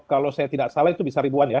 kalau saya tidak salah itu bisa ribuan ya